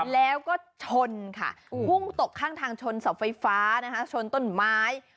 แล้วก็ชนค่ะพุ่งตกข้างทางชนเสาไฟฟ้านะคะชนต้นไม้